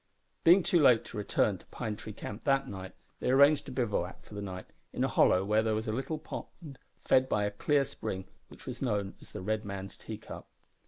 Being too late to return to Pine Tree Camp that night, they arranged to bivouac for the night in a hollow where there was a little pond fed by a clear spring which was known as the Red Man's Teacup.